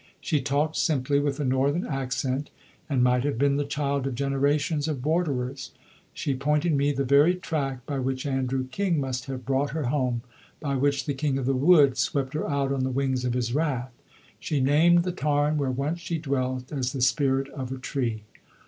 She talked simply, with a northern accent, and might have been the child of generations of borderers. She pointed me the very track by which Andrew King must have brought her home, by which the King of the Wood swept her out on the wings of his wrath; she named the tarn where once she dwelt as the spirit of a tree.